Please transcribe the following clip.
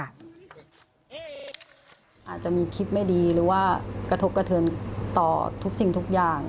อาจจะมีคลิปไม่ดีหรือว่ากระทบกระเทินต่อทุกสิ่งทุกอย่าง